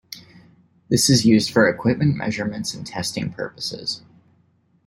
This is used for equipment measurements and testing purposes.